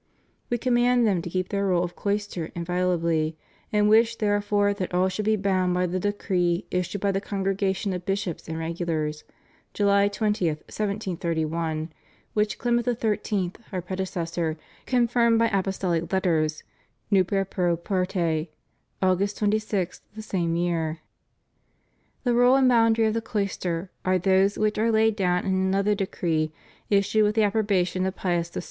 We command them to keep their rule of cloister invi olably ; and wish therefore that all should be bound by the decree issued by the Congregation of Bishops and Regu lars, July 20, 1731, which Clement XIII., Our predeces sor, confirmed by Apostolic Letters Nuper pro parte, Au gust 26, the same year. The rule and boundary of the cloister are those which are laid down in another decree issued with the approbation of Pius VI.